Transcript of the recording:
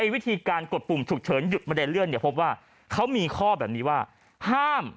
วิธีการกดปุ่มฉุกเฉินหยุดบันไดเลื่อนเนี่ยพบว่าเขามีข้อแบบนี้ว่าห้าม